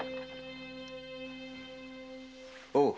おう。